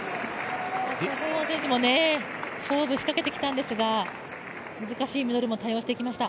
ソ・ヒョウォン選手も勝負仕掛けてきたんですが、難しいミドルも対応してきました。